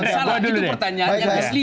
salah itu pertanyaannya